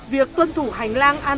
việc tuân thủ hành lang an toàn